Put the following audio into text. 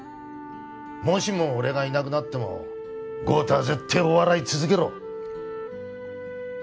もしも俺がいなくなっても豪太は絶対お笑い続けろ！